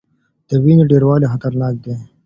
د وینې ډیروالی خطرناک دی.